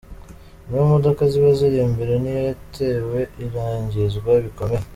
Imwe mu modoka ziba ziri imbere niyo yatewe irangizwa bikomeye.